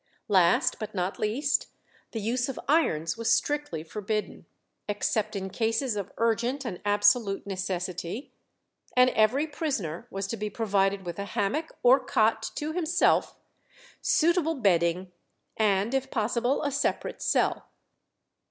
Last, but not least, the use of irons was strictly forbidden, "except in cases of urgent and absolute necessity," and every prisoner was to be provided with a hammock or cot to himself, suitable bedding, and, if possible, a separate cell.